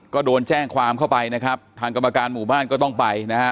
ก็โดนแจ้งความเข้าไปนะครับทางกรรมการหมู่บ้านก็ต้องไปนะฮะ